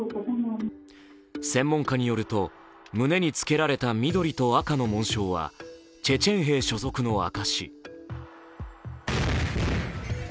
専門家によると、胸につけられた緑と赤の紋章は、チェチェン兵所属の証し。